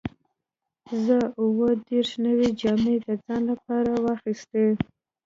زه اووه دیرش نوې جامې د ځان لپاره واخیستې.